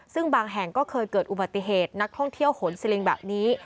ซึ่งบางแห่งก็เคยเกิดอุบัติเหตุนักท่องเที่ยวโหนซิลิงแบบนี้